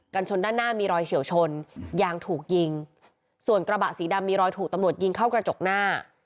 ชนด้านหน้ามีรอยเฉียวชนยางถูกยิงส่วนกระบะสีดำมีรอยถูกตำรวจยิงเข้ากระจกหน้า